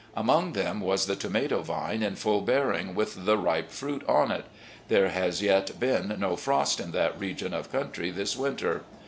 Among them was the tomato vine in full bearing, with the ripe fruit on it. There has yet been no frost in that region of cotmtry this winter.